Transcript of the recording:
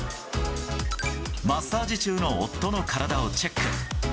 マッサージ中の夫の体をチェック。